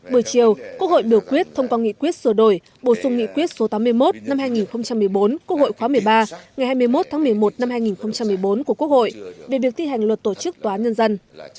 bữa chiều quốc hội biểu quyết thông qua nghị quyết sửa đổi bổ sung nghị quyết số tám mươi một năm hai nghìn một mươi bốn quốc hội khóa một mươi ba ngày hai mươi một tháng một mươi một năm hai nghìn một mươi bốn của quốc hội về việc thi hành luật tổ chức tòa án nhân dân